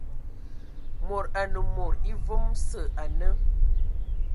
Mod anə mod evam sə ane..